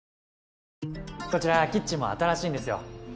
こちらキッチンも新しいんですよ。